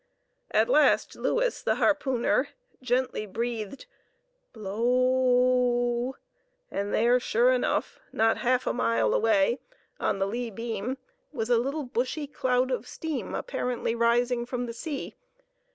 At last Louis, the harpooner, gently breathed "blo o o w"; and there, sure enough, not half a mile away on the lee beam, was a little bushy cloud of steam apparently rising from the sea.